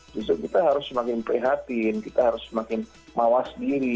justru kita harus semakin prihatin kita harus semakin mawas diri